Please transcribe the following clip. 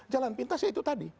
jalan pintas ya itu tadi